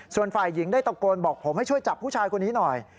ส่วนฝ่ายหญิงได้ตะโกนบอกผมให้ช่วยจับผู้ชายคนนี้หน่อย